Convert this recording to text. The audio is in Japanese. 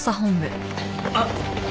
あっ。